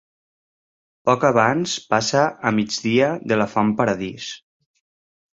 Poc abans passa a migdia de la Font Paradís.